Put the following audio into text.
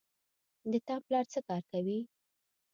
د تا پلار څه کار کوی